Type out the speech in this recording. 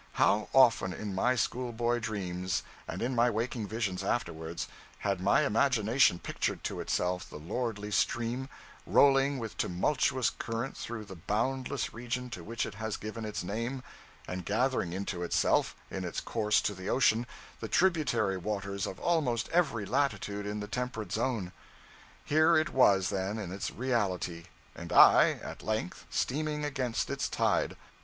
How often in my schoolboy dreams, and in my waking visions afterwards, had my imagination pictured to itself the lordly stream, rolling with tumultuous current through the boundless region to which it has given its name, and gathering into itself, in its course to the ocean, the tributary waters of almost every latitude in the temperate zone! Here it was then in its reality, and I, at length, steaming against its tide.